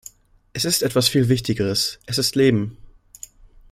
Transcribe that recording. Es ist etwas viel Wichtigeres, es ist Leben.